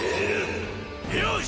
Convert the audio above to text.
よし！